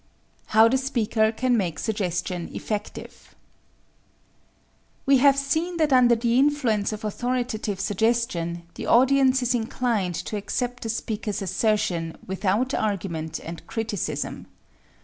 How the Speaker Can Make Suggestion Effective We have seen that under the influence of authoritative suggestion the audience is inclined to accept the speaker's assertion without argument and criticism.